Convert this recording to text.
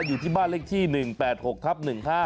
อยู่ที่บ้านเลขที่๑๘๖ทับ๑๕